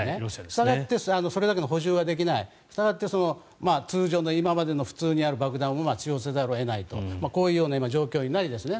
したがってそれだけの補充ができないしたがって通常の今までの爆弾を使用せざるを得ないという状況ですね。